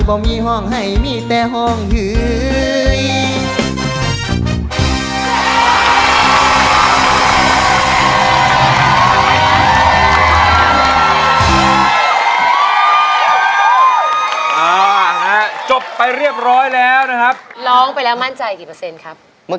บอกมีห้องให้มีแต่ห้องหือ